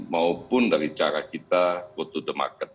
maupun dari cara kita go to the market